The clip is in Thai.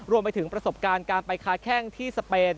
รวมไปถึงประสบการณ์การไปค้าแข้งที่สเปน